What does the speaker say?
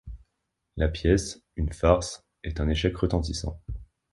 La pièce, une farce, est un échec retentissant.